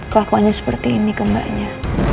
kelakuannya seperti ini ke mbaknya